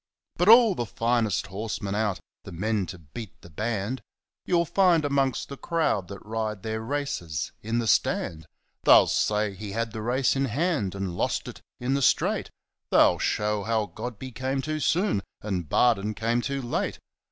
But all the finest horsemen out the men to Beat the Band You'll find amongst the crowd that ride their races in the Stand. They'll say ŌĆ£He had the race in hand, and lost it in the straight. ŌĆØ They'll show how Godby came too soon, and Barden came too late.